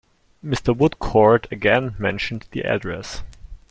Mr. Woodcourt again mentioned the address.